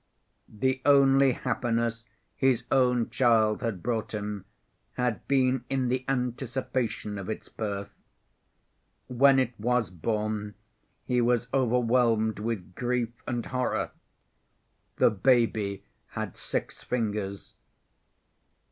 The only happiness his own child had brought him had been in the anticipation of its birth. When it was born, he was overwhelmed with grief and horror. The baby had six fingers.